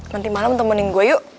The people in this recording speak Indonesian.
nanti malem temenin gue yuk